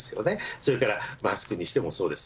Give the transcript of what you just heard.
それからマスクにしてもそうです。